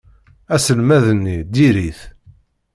Aselmad-nni diri-t.